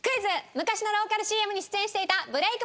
昔のローカルＣＭに出演していたブレイク